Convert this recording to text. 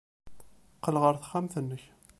Qqel ɣer texxamt-nnek.